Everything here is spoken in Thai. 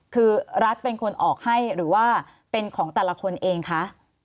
คือรัฐเป็นคนออกให้หรือว่าเป็นของแต่ละคนเองคะ